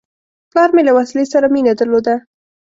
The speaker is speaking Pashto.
پلار مې له وسلې سره مینه درلوده.